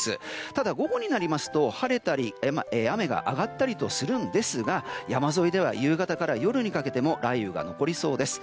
ただ、午後になりますと晴れたり雨が上がったりするんですが山沿いでは夕方から夜にかけても雷雨が残りそうです。